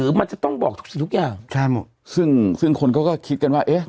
ถ้ามันจะมีอะไรในมือถือจะต้องบอกสิทธิ์ทุกอย่าง